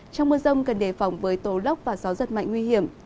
trong mưa rông cần đề phòng với tố lốc và gió giật mạnh nguy hiểm